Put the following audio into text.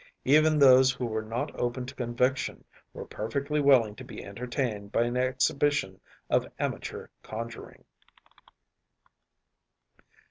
Even those who were not open to conviction were perfectly willing to be entertained by an exhibition of amateur conjuring.